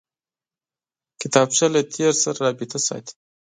کتابچه له تېر سره رابطه ساتي